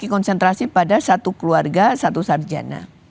kita konservasi pada satu keluarga satu sarjana